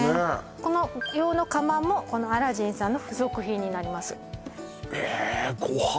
この用の釜もこのアラジンさんの付属品になりますえっご飯